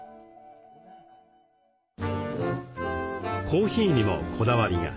コーヒーにもこだわりが。